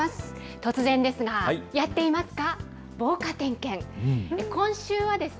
突然ですが、やっていますか？